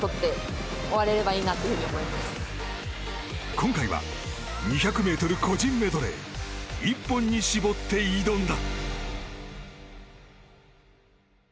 今回は２００ｍ個人メドレー１本に絞って挑んだ。